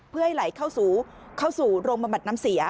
เพื่อให้ไหลเข้าสู่โรงบำบัดน้ำเสีย